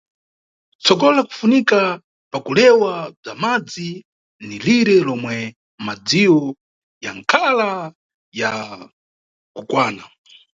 Tsogolo lakufunika pa kulewa bza madzi ni lire lomwe madziyo yanʼkhala ya kukwana.